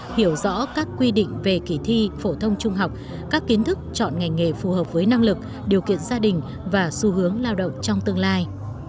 hiểu rõ các quy định về kỷ thi phổ thông trung học các kiến thức chọn ngành nghề phù hợp với năng lực điều kiện gia đình và xu hướng lao động trong tương lai